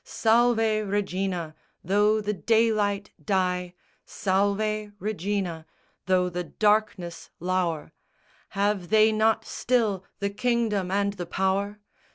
Salve Regina, though the daylight die, Salve Regina, though the darkness lour; Have they not still the kingdom and the power?